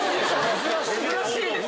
珍しいですね。